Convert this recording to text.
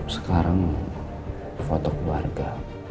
sekarang foto keluarga